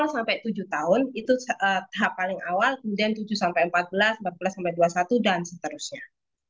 lima sampai tujuh tahun itu tahap paling awal kemudian tujuh sampai empat belas empat belas sampai dua puluh satu dan seterusnya